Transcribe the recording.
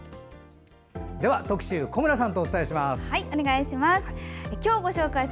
では、特集は小村さんとお伝えします。